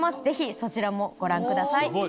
ぜひそちらもご覧ください。